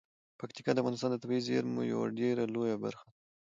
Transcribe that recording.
پکتیکا د افغانستان د طبیعي زیرمو یوه ډیره لویه برخه ده.